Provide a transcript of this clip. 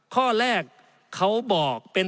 ข้อแรกเขาบอกเป็น